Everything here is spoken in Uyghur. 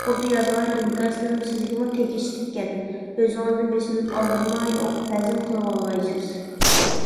يۇقىرىدا يازغان ئىنكاسلىرىم سىزگىمۇ تېگىشلىككەن. ئۆزىڭىزنى بېسىۋېلىپ ئالدىرماي ئوقۇپ ھەزىم قىلىۋالغايسىز.